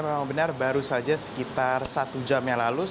memang benar baru saja sekitar satu jam yang lalu